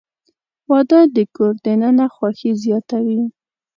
• واده د کور دننه خوښي زیاتوي.